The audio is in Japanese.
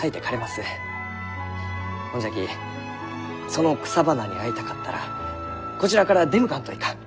ほんじゃきその草花に会いたかったらこちらから出向かんといかん。